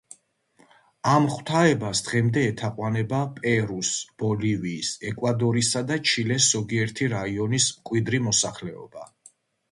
ამ ღვთაებას დღემდე ეთაყვანება პერუს, ბოლივიის, ეკვადორისა და ჩილეს ზოგიერთი რაიონის მკვიდრი მოსახლეობა.